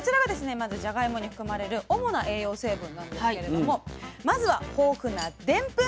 まずじゃがいもに含まれる主な栄養成分なんですけれどもまずは豊富なでんぷん。